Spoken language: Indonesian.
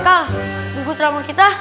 kak nunggu teramur kita